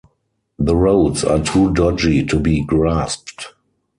The roads are too dodgy to be grasped.